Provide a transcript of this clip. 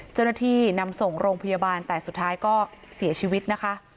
เจ้าหน้าที่นำส่งโรงพยาบาลแต่สุดท้ายก็เสียชีวิตนะคะ